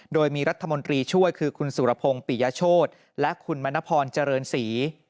โดยมีรัฐมนตรีช่วยคือคุณสุรพงศ์ปิยโชธและคุณมณพรเจริญศรี